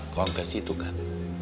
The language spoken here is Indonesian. kontes itu kan